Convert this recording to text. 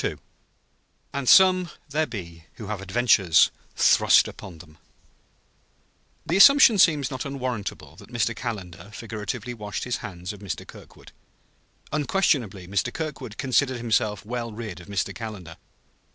II "AND SOME THERE BE WHO HAVE ADVENTURES THRUST UPON THEM" The assumption seems not unwarrantable, that Mr. Calendar figuratively washed his hands of Mr. Kirkwood. Unquestionably Mr. Kirkwood considered himself well rid of Mr. Calendar.